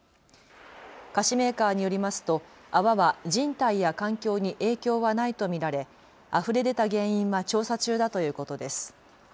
菓子メーカーによりますと泡は人体や環境に影響はないと見られ、あふれ出た原因は調査中だということです。